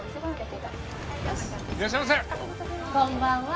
こんばんは。